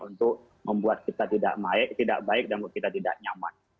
untuk membuat kita tidak baik dan membuat kita tidak nyaman